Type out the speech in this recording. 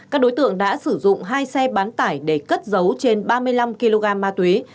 các đối tượng đã sử dụng hai xe bán tải để cất dấu trên ba mươi năm kg ma túy